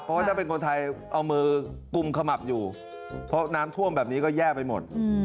เพราะว่าถ้าเป็นคนไทยเอามือกุมขมับอยู่เพราะน้ำท่วมแบบนี้ก็แย่ไปหมด